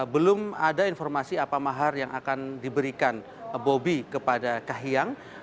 belum ada informasi apa mahar yang akan diberikan bobi kepada kahiyang